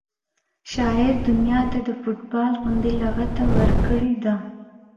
شاعر دنیا ته د فټبال غوندې لغته ورکړې ده